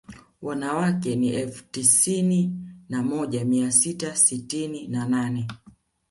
Wanawake ni elfu tisini na moja mia sita sitini na nane